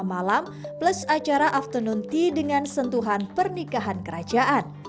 malam plus acara afternoon tea dengan sentuhan pernikahan kerajaan